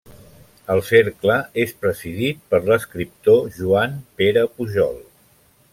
El Cercle és presidit per l'escriptor Joan-Pere Pujol.